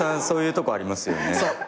そういうとこありますよね。